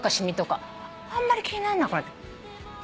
あんまり気になんなくなって。